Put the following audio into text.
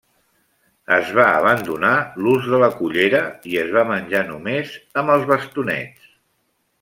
Es va abandonar l'ús de la cullera i es va menjar només amb els bastonets.